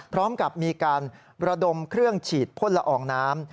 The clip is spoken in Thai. พร้อมกับมีการระดมเครื่องฉีดพ่นละอองน้ำ